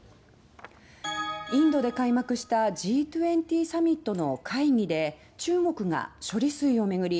インドで開幕したＧ２０サミットの会議で中国が処理水を巡り